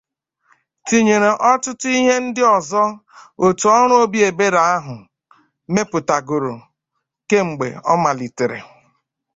tinyere ọtụtụ ihe ndị ọzọ òtù ọrụ obi ebere ahụ mepụtagoro kemgbe ọ malitere